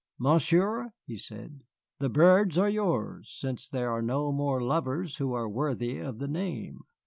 "Monsieur," he said, "the birds are yours, since there are no more lovers who are worthy of the name.